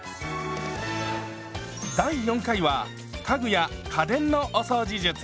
第４回は家具や家電のお掃除術。